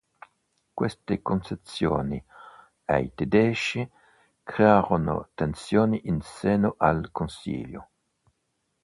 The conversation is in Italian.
Queste concessioni ai tedeschi crearono tensioni in seno al Consiglio.